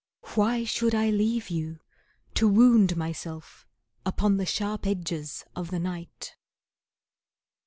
Why should I leave you, To wound myself upon the sharp edges of the night?